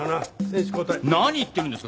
何言ってるんですか！